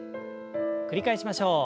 繰り返しましょう。